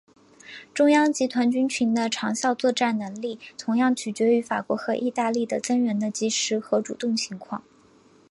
中央集团军群的长效作战能力同样取决于法国和意大利的增援的及时和主动情况。